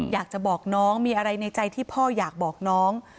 อยากจะบอกน้องมีอะไรในใจที่พ่ออยากบอกน้อง